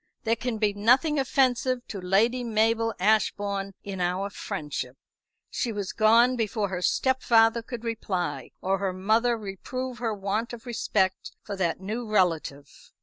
"There can be nothing offensive to Lady Mabel Ashbourne in our friendship." She was gone before her stepfather could reply, or her mother reprove her want of respect for that new relative.